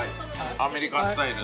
アメリカンスタイルだ。